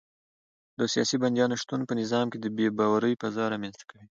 د سیاسي بندیانو شتون په نظام کې د بې باورۍ فضا رامنځته کوي.